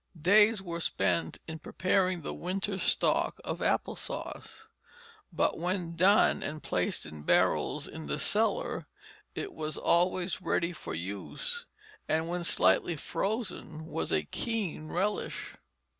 Days were spent in preparing the winter's stock of apple sauce, but when done and placed in barrels in the cellar, it was always ready for use, and when slightly frozen was a keen relish.